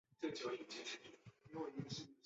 于十大劲歌金曲颁奖典礼中夺得新人奖金奖。